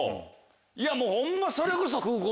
いやもうホンマそれこそ。